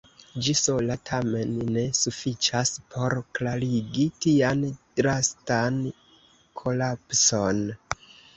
Ĝi sola tamen ne sufiĉas por klarigi tian drastan kolapson.